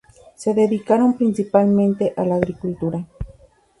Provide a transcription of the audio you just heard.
Se dedicaron principalmente a la agricultura.